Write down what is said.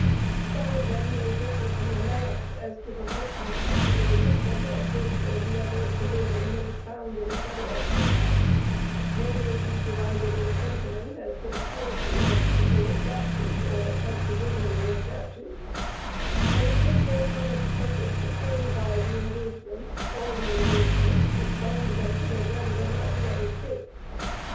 Some of them may differ from the mass, as to the rightfulness or the wisdom of this or the other provision that is found in the federal compact, they may be divided in sentiment as to the policy of a particular statute, or of some provision in a statute; but it is their honest purpose to stand by the engagements, all the engagements, which bind them to their brethren of the other States.